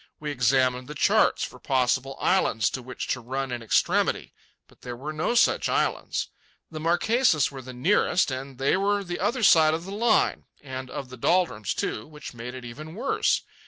We examined the charts for possible islands to which to run in extremity, but there were no such islands. The Marquesas were the nearest, and they were the other side of the Line, and of the doldrums, too, which made it even worse.